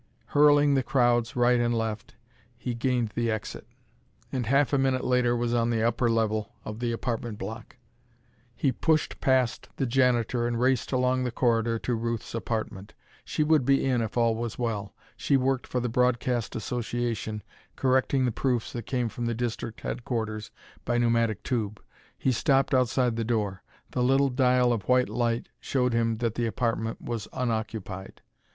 Hurling the crowds right and left he gained the exit, and a half minute later was on the upper level of the apartment block. He pushed past the janitor and raced along the corridor to Ruth's apartment. She would be in if all was well; she worked for the Broadcast Association, correcting the proofs that came from the district headquarters by pneumatic tube. He stopped outside the door. The little dial of white light showed him that the apartment was unoccupied.